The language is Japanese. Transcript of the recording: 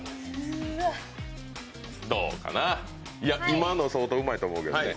今の相当うまいと思うけどね。